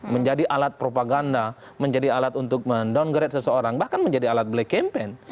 menjadi alat propaganda menjadi alat untuk mendowngrade seseorang bahkan menjadi alat black campaign